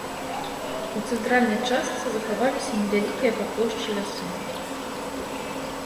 У цэнтральнай частцы захаваліся невялікія па плошчы лясы.